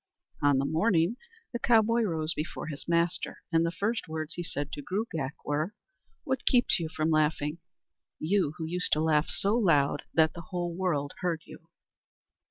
On the morning the cowboy rose before his master, and the first words he said to Gruagach were: "What keeps you from laughing, you who used to laugh so loud that the whole world heard you?"